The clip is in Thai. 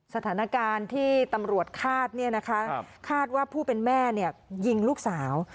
สถานการณ์ที่ตำรวจคาดคาดว่าผู้เป็นแม่ยิงลูกสาว